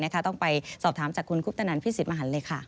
ต้องไปสอบถามจากคุณคุปตนันพี่สิทธมหันเลยค่ะ